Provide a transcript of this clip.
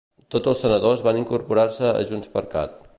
Tots els senadors van incorporar-se a JxCat.